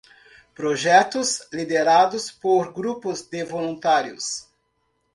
Projetos liderados por grupos de voluntários.